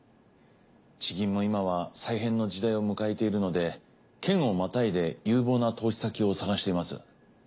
地銀も今は再編の時代を迎えているので県をまたいで有望な投資先を探しています。